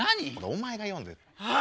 お前が読んでよ。